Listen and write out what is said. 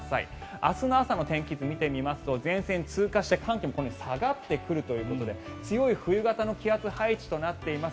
明日の朝の天気図を見てみますと前線通過して寒気もこのように下がってくるということで強い冬型の気圧配置となっています。